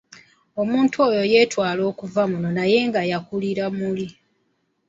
Omuntu oyo yeetwala okuva muno naye ng’akuliira muli.